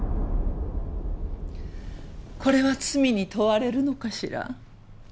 これは罪に問われるのかしら？